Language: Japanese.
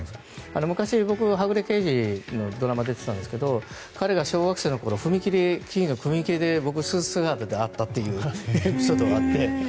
昔、僕が「はぐれ刑事」のドラマに出てたんですけど彼が小学生の時に踏切で、スーツ姿で会ったというエピソードがあって。